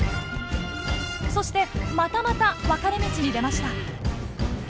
そしてまたまた分かれ道に出ました。